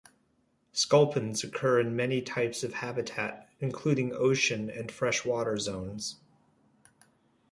Sculpins occur in many types of habitat, including ocean and freshwater zones.